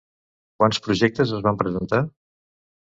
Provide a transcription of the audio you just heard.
Quants projectes es van presentar?